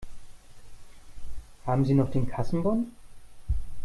Haben Sie noch den Kassenbon?